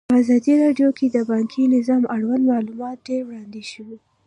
په ازادي راډیو کې د بانکي نظام اړوند معلومات ډېر وړاندې شوي.